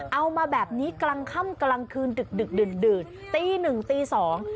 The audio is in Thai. เอามาแบบนี้กลางค่ำกลางคืนดึกดึกดื่นดื่นตีหนึ่งตีสอง